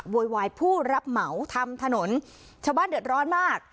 โวยวายผู้รับเหมาทำถนนชาวบ้านเดือดร้อนมาก